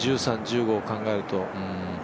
１３、１５を考えると。